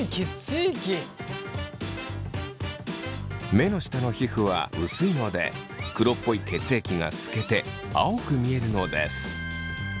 目の下の皮膚は薄いので黒っぽい血液が透けて青く見えるのです。